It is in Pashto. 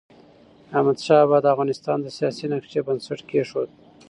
احمدشاه بابا د افغانستان د سیاسی نقشې بنسټ کيښود.